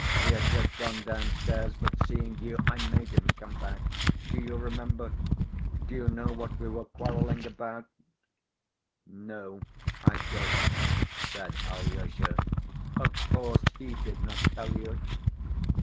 He had just gone down‐stairs, but seeing you I made him come back; do you remember? Do you know what we were quarreling about then?" "No, I don't," said Alyosha. "Of course he did not tell you.